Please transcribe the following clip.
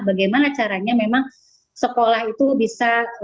bagaimana caranya memang sekolah itu bisa